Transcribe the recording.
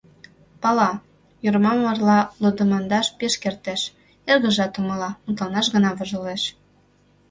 Пала: Йорма марла лодымандаш пеш кертеш, эргыжат умыла, мутланаш гына вожылеш.